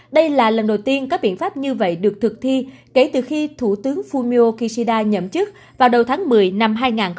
đây là lần đầu tiên các biện pháp như vậy được thực thi kể từ khi thủ tướng fumio kishida nhậm chức vào đầu tháng một mươi năm hai nghìn một mươi tám